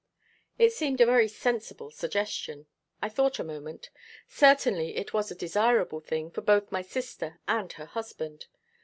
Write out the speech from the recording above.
It seemed a very sensible suggestion. I thought a moment. Certainly it was a desirable thing for both my sister and her husband.